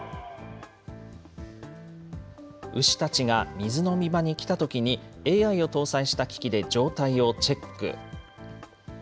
水飲み場に来たときに、ＡＩを搭載した機器で状態をチェック。